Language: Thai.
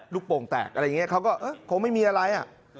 โป่งแตกอะไรอย่างนี้เขาก็คงไม่มีอะไร